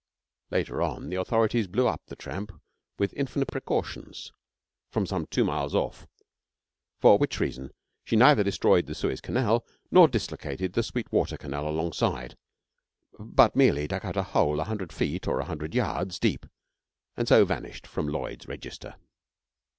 Later on, the authorities blew up the tramp with infinite precautions from some two miles off, for which reason she neither destroyed the Suez Canal nor dislocated the Sweet Water Canal alongside, but merely dug out a hole a hundred feet or a hundred yards deep, and so vanished from Lloyd's register.